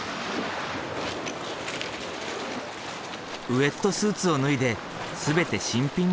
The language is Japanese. ウェットスーツを脱いで全て新品に着替える。